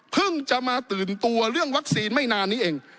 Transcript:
เพิ่งจะมาตื่นตัวเรื่องวัคซีนไม่นานนี้เอง